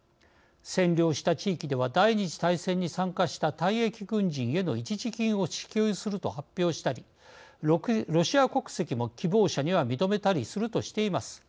占領した地域では第２次大戦に参加した退役軍人への一時金を支給すると発表したりロシア国籍も希望者には認めたりするとしています。